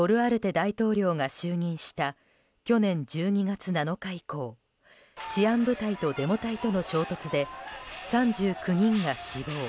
大統領が就任した去年１２月７日以降治安部隊とデモ隊との衝突で３９人が死亡。